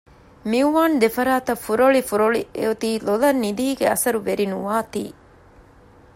މިއުވާން ދެފަރާތަށް ފުރޮޅި ފުރޮޅި އޮތީ ލޮލަށް ނިދީގެ އަސަރު ވެރިނުވާތީ